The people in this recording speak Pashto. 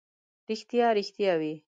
ریښتیا، ریښتیا وي.